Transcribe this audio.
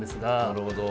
なるほど。